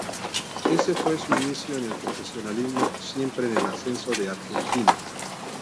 Ese fue su inicio en el profesionalismo, siempre en el ascenso de Argentina.